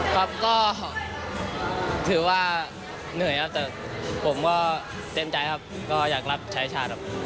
ครับก็ถือว่าเหนื่อยครับแต่ผมก็เต็มใจครับก็อยากรับใช้ชาติครับ